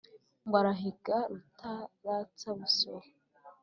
ngo arahiga rutaratsa-busoro.